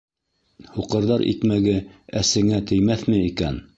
Һуҡырҙар икмәге әсеңә теймәҫме икән?